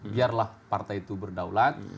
biarlah partai itu berdaulat